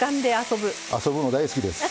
遊ぶの大好きです。